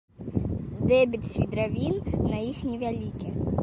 Дэбіт свідравін на іх невялікі.